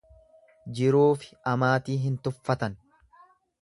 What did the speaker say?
Jiruufi amaatii hin tuffatan.